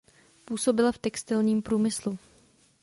Působila v textilním průmyslu.